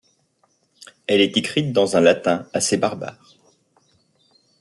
Elle est écrite dans un latin assez barbare.